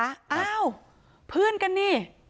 อ้าวเพื่อนกันนี่